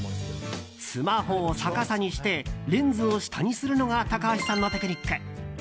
スマホを逆さにしてレンズを下にするのが高橋さんのテクニック。